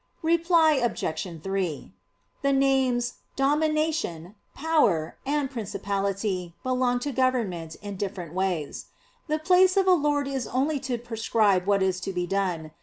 Reply Obj. 3: The names "Domination," "Power," and "Principality" belong to government in different ways. The place of a lord is only to prescribe what is to be done.